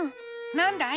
なんだい？